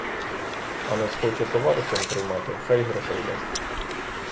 А не схоче товаришем приймати — хай грошей дасть.